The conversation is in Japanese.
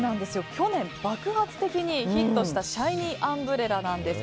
去年爆発的にヒットしたシャイニーアンブレラなんです。